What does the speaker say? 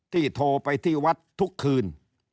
โทรไปที่วัดทุกคืน